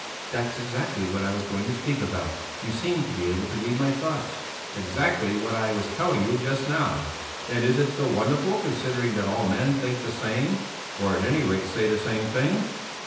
"That's exactly what I was going to speak about. You seem to be able to read my thoughts." "Exactly what I was telling you just now. And is it so wonderful considering that all men think the same, or at any rate say the same thing?